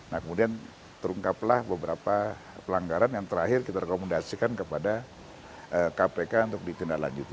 nah kemudian terungkaplah beberapa pelanggaran yang terakhir kita rekomendasikan kepada kpk untuk ditindaklanjuti